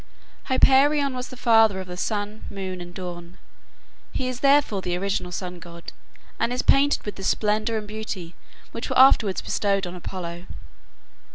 Hyperion was the father of the Sun, Moon, and Dawn. He is therefore the original sun god, and is painted with the splendor and beauty which were afterwards bestowed on Apollo.